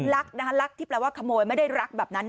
รักที่หมายเป็นเออรักไม่ได้รักแบบนั้น